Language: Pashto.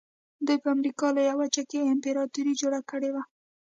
دوی په امریکا لویه وچه کې امپراتوري جوړه کړې وه.